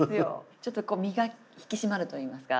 ちょっとこう身が引き締まるといいますか。